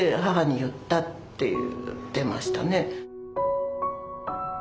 母に言ったって言ってましたね。